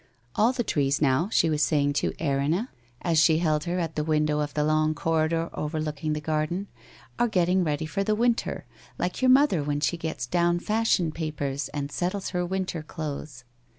' All the trees, now,' she was saying to Erinna, as she held her at the window of the long corridor overlook ing the garden, ' are getting ready for the winter, like your mother when she gets down fashion papers and set tles her winter clothes.